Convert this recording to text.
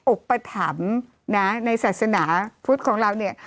อุปถัมภ์นะในศาสนาพุทธของเราเนี่ย